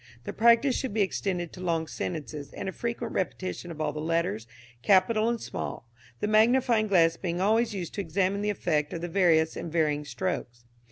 The practice should be extended to long sentences, and a frequent repetition of all the letters, capital and small, the magnifying glass being always used to examine the effect of the various and varying strokes.